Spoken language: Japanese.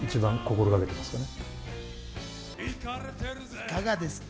いかがですか？